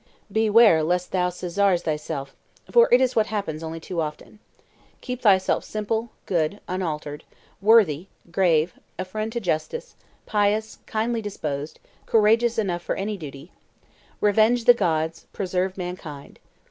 Beware lest thou Caesarze thyself, for it is what happens only too often. Keep thyself simple, good, unaltered, worthy, grave, a friend to justice, pious, kindly disposed, courageous enough for any duty. ... Reverence the gods, preserve mankind.